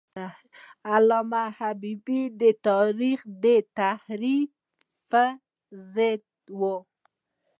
علامه حبیبي د تاریخ د تحریف پر ضد و.